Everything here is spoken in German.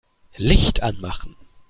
Licht anmachen.